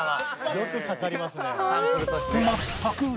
「よくかかりますね」